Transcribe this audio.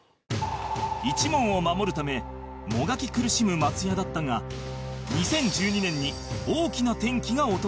一門を守るためもがき苦しむ松也だったが２０１２年に大きな転機が訪れる